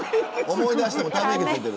思い出してもため息ついてる。